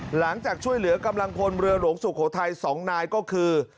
หลังจากช่วยเหลือกำลังพลเรือหลวงสุโขทัย๒นายก็คือ